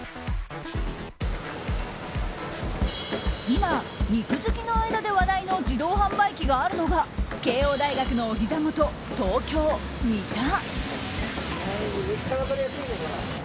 今、肉好きの間で話題の自動販売機があるのが慶應大学のお膝元、東京・三田。